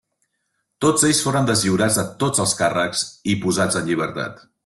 Tots ells foren deslliurats de tots els càrrecs, i posats en llibertat.